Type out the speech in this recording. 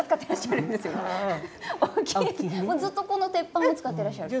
ずっとこの鉄板を使ってらっしゃる？